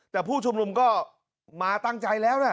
แต่ผู้ชุมนุมก็มาตั้งใจแล้วนะ